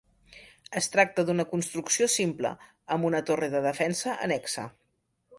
Es tracta d'una construcció simple amb una torre de defensa annexa.